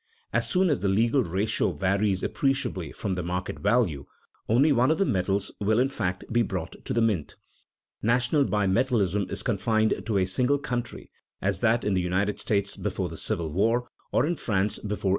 As soon as the legal ratio varies appreciably from the market value, only one of the metals will in fact be brought to the mint. National bimetallism is confined to a single country, as that in the United States before the Civil War, or in France before 1867.